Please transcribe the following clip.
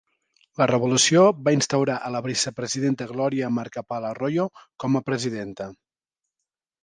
La revolució va instaurar a la vicepresidenta Gloria Macapagal-Arroyo com a presidenta.